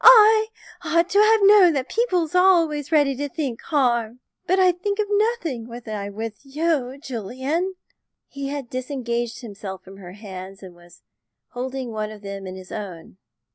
I ought to have known that people's always ready to think harm. But I think of nothing when I'm with you, Julian!" He had disengaged himself from her hands, and was holding one of them in his own.